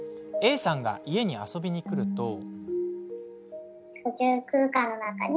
Ａさんが家に遊びに来ると。